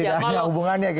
tidak ada hubungannya gitu